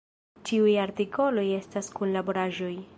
Ĉiuj artikoloj estas kunlaboraĵoj.